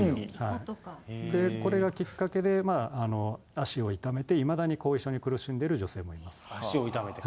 これがきっかけで、足を痛めて、いまだに後遺症に苦しんでる女性足を痛めて。